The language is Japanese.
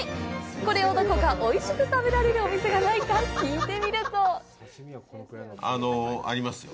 これを、どこかおいしく食べられるお店がないか聞いてみるとありますよ。